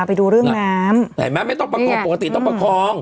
ไปดูเรื่องน้ำเห็นไหมไม่ต้องประคองปกติต้องประคอง